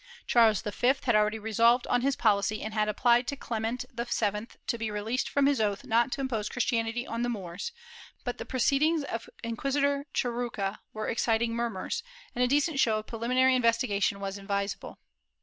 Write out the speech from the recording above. Charles V had already resolved on his poUcy and had apphed to Clement VII to be released from his oath not to impose Christianity on the Moors, but the proceedings of Inquisitor Churrucca were exciting murmurs, and a decent show of preliminary investigation was advisable.